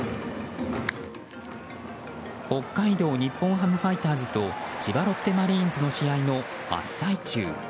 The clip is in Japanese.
北海道日本ハムファイターズと千葉ロッテマリーンズの試合の真っ最中。